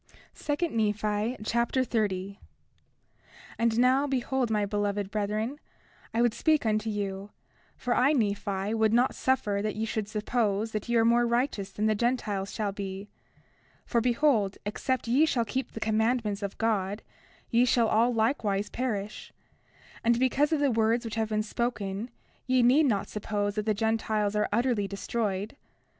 2 Nephi Chapter 30 30:1 And now behold, my beloved brethren, I would speak unto you; for I, Nephi, would not suffer that ye should suppose that ye are more righteous than the Gentiles shall be. For behold, except ye shall keep the commandments of God ye shall all likewise perish; and because of the words which have been spoken ye need not suppose that the Gentiles are utterly destroyed.